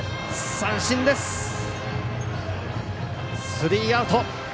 スリーアウト。